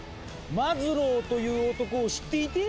マズローという男を知っていて？